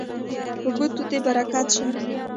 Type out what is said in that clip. په ګوتو دې برکت شه